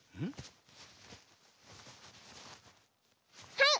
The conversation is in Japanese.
はい！